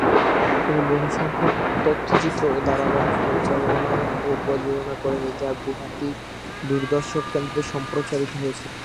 তিনি বহুসংখ্যক তথ্যচিত্র ও ধারাবাহিক পরিচালনা ও প্রযোজনা করেছেন যা গুয়াহাটি দূরদর্শন কেন্দ্রে সম্প্রচারিত হয়েছে।